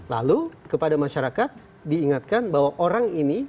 lalu kepada masyarakat diingatkan bahwa orang ini